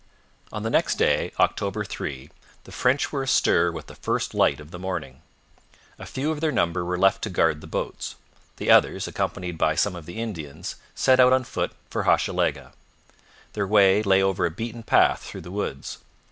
On the next day, October 3, the French were astir with the first light of the morning. A few of their number were left to guard the boats; the others, accompanied by some of the Indians, set out on foot for Hochelaga. Their way lay over a beaten path through the woods.